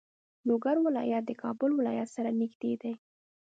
لوګر ولایت د کابل ولایت سره نږدې دی.